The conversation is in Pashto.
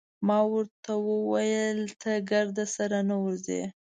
ما ورته وویل: ته ګرد سره نه ورځې؟